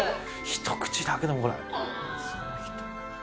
一口だけでも、これ。